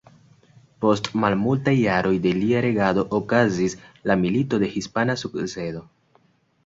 Post malmultaj jaroj de lia regado okazis la Milito de hispana sukcedo.